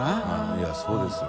いやそうですよ。